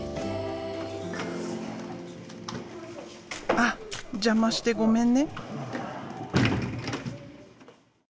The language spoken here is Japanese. あっ邪魔してごめんね。